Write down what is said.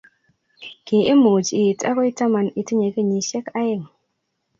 kimuch iit akoi taman Itinye kenyishek aeng